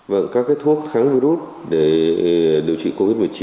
vâng các thuốc kháng virus để điều trị covid một mươi chín